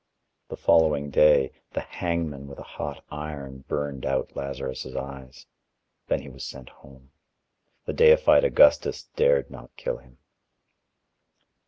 The following day, the hangman with a hot iron burned out Lazarus' eyes. Then he was sent home. The deified Augustus dared not kill him.